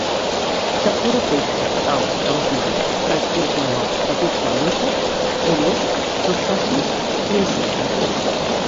Captura peixos, aus, amfibis, rèptils menors, petits mamífers, mol·luscs, crustacis i insectes.